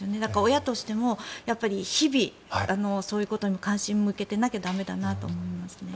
親としても日々、そういうことに関心を向けてなきゃ駄目だなと思いますね。